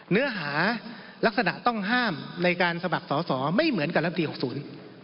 เนื้อหารักษณะต้องห้ามในการสมัครสอสอไม่เหมือนกับรัฐวนูล๖๐